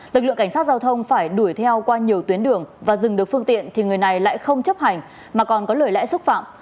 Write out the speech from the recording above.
lực lượng cảnh sát giao thông phải đuổi theo qua nhiều tuyến đường và dừng được phương tiện thì người này lại không chấp hành mà còn có lời lẽ xúc phạm